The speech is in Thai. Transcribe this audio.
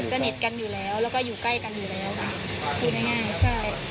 สนิทกันอยู่แล้วแล้วก็อยู่ใกล้กันอยู่แล้วค่ะพูดง่ายใช่